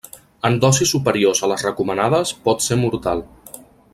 En dosis superiors a les recomanades pot ser mortal.